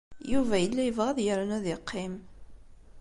Yuba yella yebɣa ad yernu ad yeqqim.